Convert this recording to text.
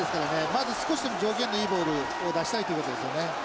まず少しでも条件のいいボールを出したいということですよね。